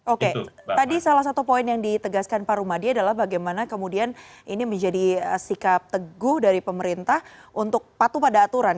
oke tadi salah satu poin yang ditegaskan pak rumadi adalah bagaimana kemudian ini menjadi sikap teguh dari pemerintah untuk patuh pada aturan